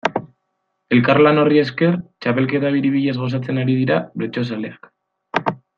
Elkarlan horri esker, txapelketa biribilaz gozatzen ari dira bertsozaleak.